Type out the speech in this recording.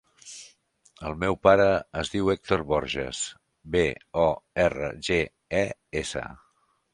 El meu pare es diu Hèctor Borges: be, o, erra, ge, e, essa.